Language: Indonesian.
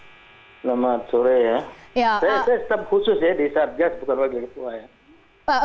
saya staff khusus ya di satgas bukan wakil ketua ya